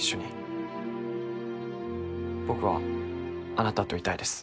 僕はあなたといたいです。